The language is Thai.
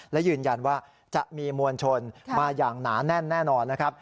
และยืนยันว่าจะมีมวลชนมาอย่างหนาแน่นแน่นอนนะครับ